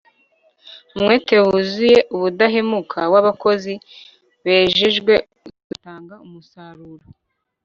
Umwete wuzuye ubudahemuka wabakozi bejejwe uzatanga umusaruro